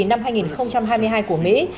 năm hai nghìn hai mươi hai của mỹ